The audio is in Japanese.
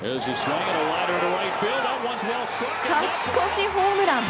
勝ち越しホームラン！